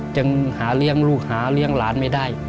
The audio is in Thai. ยังหาเลี้ยงลูกหาเลี้ยงหลานไม่ได้